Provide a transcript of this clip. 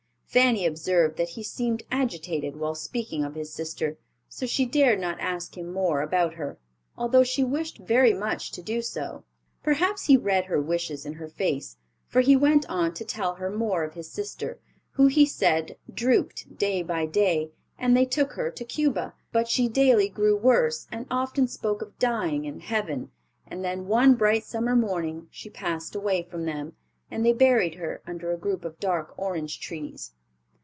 Fanny observed that he seemed agitated while speaking of his sister, so she dared not ask him more about her, although she wished very much to do so. Perhaps he read her wishes in her face, for he went on to tell her more of his sister, who, he said, drooped day by day, and they took her to Cuba, but she daily grew worse, and often spoke of dying and heaven, and then one bright summer morning she passed away from them, and they buried her under a group of dark orange trees.